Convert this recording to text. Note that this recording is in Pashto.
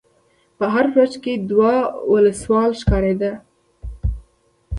په هر برج کې دوه وسلوال ښکارېدل.